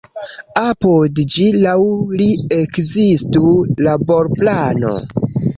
Apud ĝi laŭ li ekzistu laborplano.